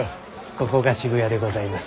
ここが渋谷でございます。